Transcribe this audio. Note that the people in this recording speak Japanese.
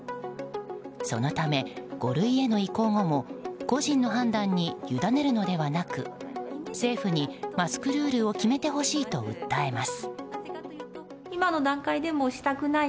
そのため、五類への移行後も個人の判断にゆだねるのではなく政府に、マスクルールを決めてほしいと訴えます。